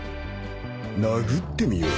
殴ってみよう。